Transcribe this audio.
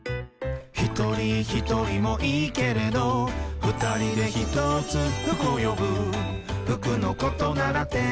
「ひとりひとりもいいけれど」「ふたりでひとつふくをよぶ」「ふくのことならテーラースキマ」